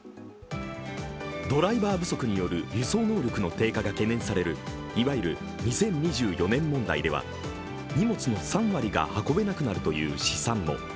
ドライバー不足による移送能力の低下が懸念されるいわゆる２０２４年問題では荷物の３割が運べなくなるという試算も。